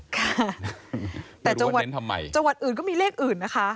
ค่ะแต่จังหวัดนั้นทำไมจังหวัดอื่นก็มีเลขอื่นนะคะ